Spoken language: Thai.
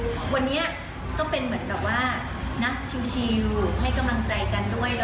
อยากให้มันดีคือวันนี้ก็เป็นเหมือนกับว่านักชิวให้กำลังใจกันด้วยเนอะ